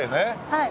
はい。